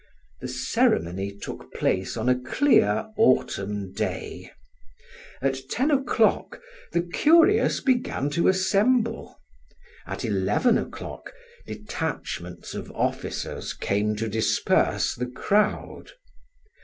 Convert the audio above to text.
The ceremony took place on a clear, autumn day. At ten o'clock the curious began to assemble; at eleven o'clock, detachments of officers came to disperse the crowd.